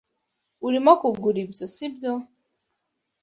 Urimo kugura ibyo, sibyo?